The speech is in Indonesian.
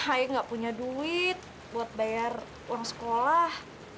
nggak punya duit buat bayar uang sekolah